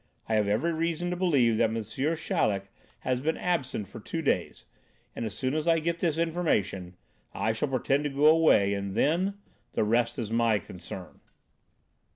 I have every reason to believe that M. Chaleck has been absent for two days, and as soon as I get this information, I shall pretend to go away, and then the rest is my concern."